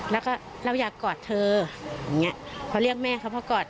แล้วก็เราอยากกอดเธออย่างเงี้ยพอเรียกแม่เขามากอด